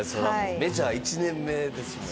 メジャー１年目ですもん。